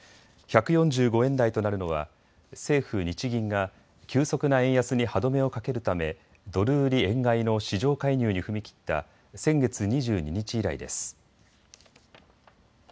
１４５円台となるのは政府・日銀が急速な円安に歯止めをかけるためドル売り円買いの市場介入に踏み切った先月２２日以来です。